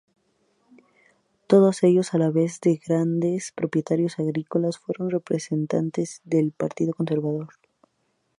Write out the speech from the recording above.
Todos ellos, a la vez de grandes propietarios agrícolas, fueron representantes del Partido Conservador.